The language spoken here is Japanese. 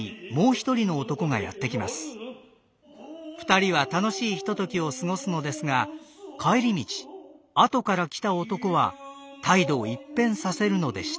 ２人は楽しいひとときを過ごすのですが帰り道あとから来た男は態度を一変させるのでした。